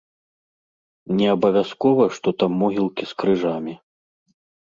Неабавязкова, што там могілкі з крыжамі.